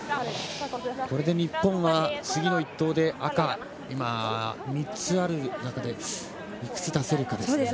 これで日本は次の１投で３つ赤がある中でいくつ出せるか。